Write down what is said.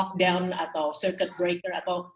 kita bisa melihat